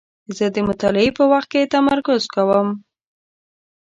زه د مطالعې په وخت کې تمرکز کوم.